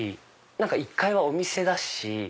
１階はお店だし。